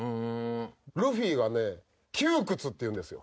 ルフィがね窮屈って言うんですよ。